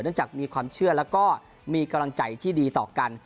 จากมีความเชื่อแล้วก็มีกำลังใจที่ดีต่อกัน